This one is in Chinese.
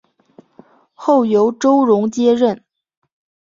后由周荣接任。